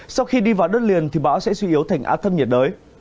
sau khi đi vào đất liền thì bão sẽ suy yếu thành át thâm nhiệt đới